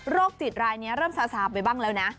จิตรายนี้เริ่มซาซาไปบ้างแล้วนะ